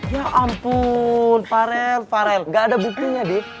ya ampun farel farel gak ada buktinya di